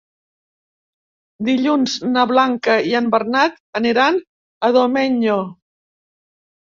Dilluns na Blanca i en Bernat aniran a Domenyo.